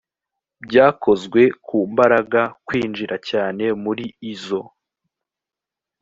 byakozwe ku mbaraga kwinjira cyane muri izo